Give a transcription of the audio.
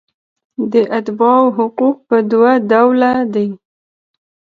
د اتباعو حقوق په دوه ډوله دي.